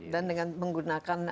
dan dengan menggunakan